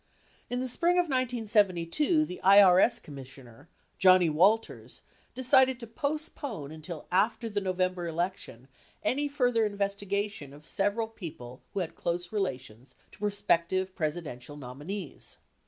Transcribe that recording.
In the spring of 1972 the IRS Commissioner, Johnnie Walters, decided to postpone until after the November election any further investigation of several people who had close relations to prospective Presidential nominees.